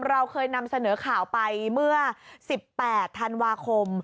เราเคยนำเสนอข่าวไปเมื่อ๑๘ธันวาคม